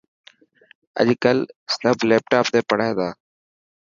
اڄ ڪل سب ليپٽاپ تي پڙهي تا.